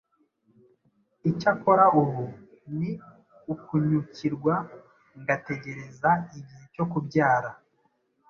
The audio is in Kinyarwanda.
Icyakora ubu ni ukunyukirwa ngategereza igihe cyo kubyara